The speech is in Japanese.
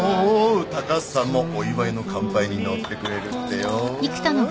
高橋さんもお祝いの乾杯に乗ってくれるってよ。